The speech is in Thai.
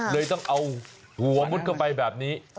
เลยต้องเอาหัวมุดเข้าไปแบบนี้